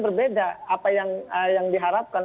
berbeda apa yang diharapkan